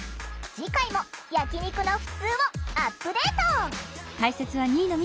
次回も焼き肉のふつうをアップデート！